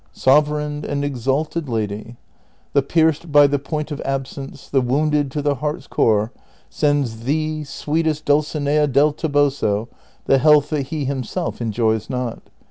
" Sovereign axd Exalted Lady, — The pierced by the point of absence, the wounded to the heart's core, sends thee, sweetest Dul cinea del Toboso, the health that he himself enjoys not.